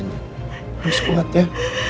harus kuat ya